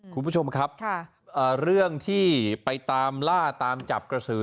คุณผู้ชมครับเรื่องที่ไปตามล่าตามจับกระสือ